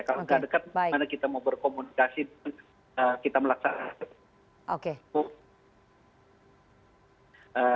kalau tidak dekat mana kita mau berkomunikasi kita melaksanakan